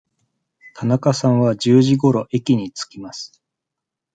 田中さんは十時ごろ駅に着きます。